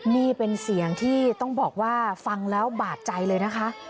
นี่เป็นเสียงที่ต้องบอกว่าฟังแล้วบาดใจเลยนะคะ